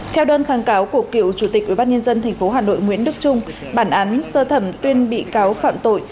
theo đơn kháng cáo của cựu chủ tịch ubnd tp hà nội nguyễn đức trung bản án sơ thẩm tuyên bị cáo phạm tội